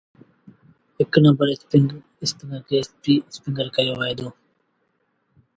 هڪ نمبر کي ايسپيٚ اسپيٚنگر ڪهيو وهي دو۔